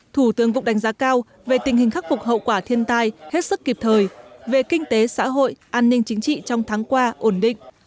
thủ tướng cũng đánh giá cao về tình hình khắc phục hậu quả thiên tai hết sức kịp thời về kinh tế xã hội an ninh chính trị trong tháng qua ổn định